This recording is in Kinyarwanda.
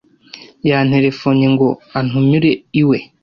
Yanterefonnye ngo antumire iwe.